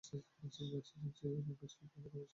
Mrs Murchison আমার চেয়েও সংগীত বেশি ভালোবাসে।